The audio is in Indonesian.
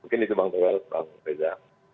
mungkin itu bang toa dan bang deja